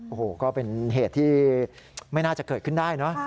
โอ้โหก็เป็นเหตุที่ไม่น่าจะเกิดขึ้นได้เนอะ